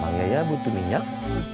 mak yaya butuh minyak